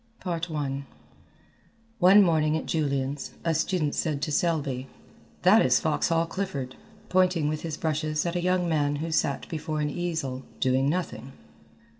I One morning at Julian's, a student said to Selby, "That is Foxhall Clifford," pointing with his brushes at a young man who sat before an easel, doing nothing.